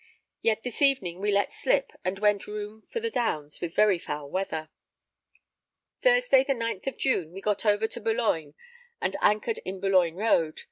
Yet this evening we let slip and went room for the Downs with very foul weather. Thursday the 9th of June, we got over to Boulogne and anchored in Boulogne Road.